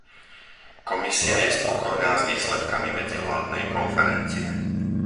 Komisia je spokojná s výsledkami medzivládnej konferencie.